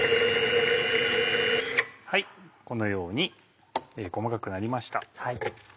このように細かくなりました。